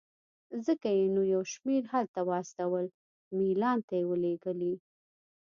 ځکه یې نو یو شمېر هلته واستول، میلان ته یې ولېږلې.